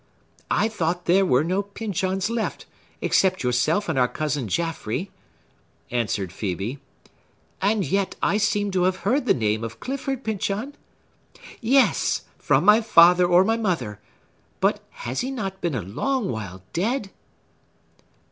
I thought there were no Pyncheons left, except yourself and our cousin Jaffrey," answered Phœbe. "And yet I seem to have heard the name of Clifford Pyncheon. Yes!—from my father or my mother; but has he not been a long while dead?"